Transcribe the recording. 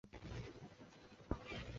授户科给事中。